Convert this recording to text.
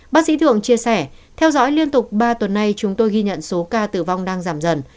bác sĩ thường chia sẻ theo dõi liên tục ba tuần nay chúng tôi ghi nhận số ca tử vong đang giảm dần